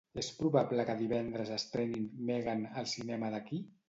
És probable que divendres estrenin "Megan" al cinema d'aquí?